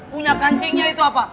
punya kancingnya itu apa